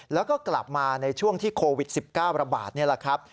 แล้วก็กลับมาในช่วงที่โควิด๑๙ระบาดนี่แหละครับ